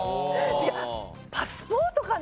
違うパスポートかな？